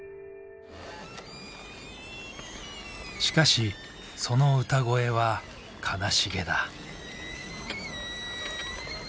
しかしその歌声は悲しげだ。